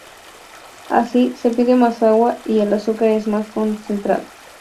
Así, se pierde más agua y el azúcar es más concentrado.